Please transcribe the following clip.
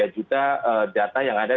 tiga juta data yang ada